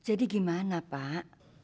jadi gimana pak